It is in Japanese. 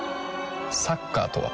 サッカーとは？